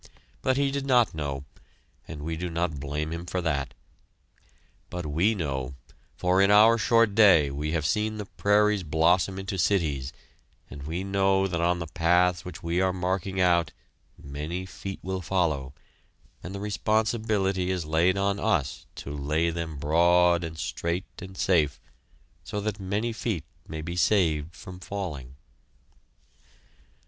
But he did not know, and we do not blame him for that. But we know, for in our short day we have seen the prairies blossom into cities, and we know that on the paths which we are marking out many feet will follow, and the responsibility is laid on us to lay them broad and straight and safe so that many feet may be saved from falling.